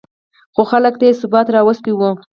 خو خلکو ته یې ثبات راوستی و